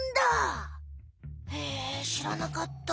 へえ知らなかった。